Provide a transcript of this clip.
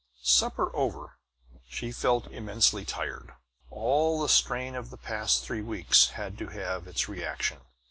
Supper over, she felt immensely tired. All the strain of the past three weeks had to have its reaction.